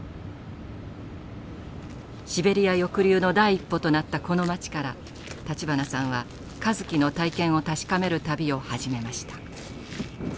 シベリア抑留の第一歩となったこの町から立花さんは香月の体験を確かめる旅を始めました。